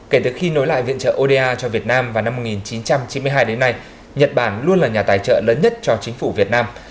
kể từ khi nối lại viện trợ oda cho việt nam vào năm một nghìn chín trăm chín mươi hai đến nay nhật bản luôn là nhà tài trợ lớn nhất cho chính phủ việt nam